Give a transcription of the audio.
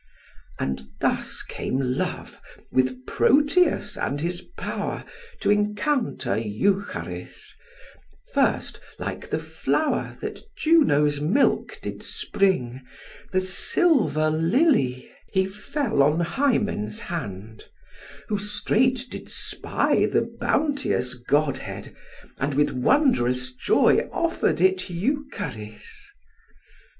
And thus came Love, with Proteus and his power, T' encounter Eucharis: first, like the flower That Juno's milk did spring, the silver lily, He fell on Hymen's hand, who straight did spy The bounteous godhead, and with wondrous joy Offer'd it Eucharis.